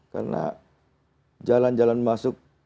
karena jalan jalan masuk